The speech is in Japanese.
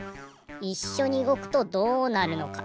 いっしょにうごくとどうなるのか。